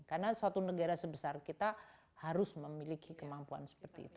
karena suatu negara sebesar kita harus memiliki kemampuan seperti itu